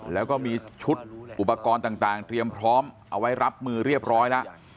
แล้วก็มีชุดอุปกรณ์ต่างเตรียมพร้อมเอาไว้รับมือเรียบร้อยแล้ว